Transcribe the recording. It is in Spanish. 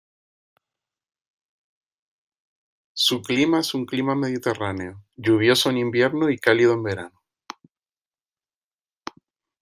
Su clima es un clima mediterráneo, lluvioso en invierno y cálido en verano.